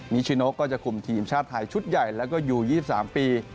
ชิโนก็จะคุมทีมชาติไทยชุดใหญ่แล้วก็อยู่๒๓ปี